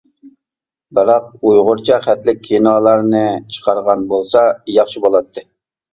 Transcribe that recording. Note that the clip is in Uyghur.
بىراق ئۇيغۇرچە خەتلىك كىنولارنى چىقارغان بولسا ياخشى بولاتتى.